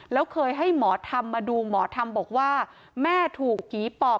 แล้วเคยให้หมอธรรมมาดูหมอธรรมบอกว่าแม่ถูกผีปอบ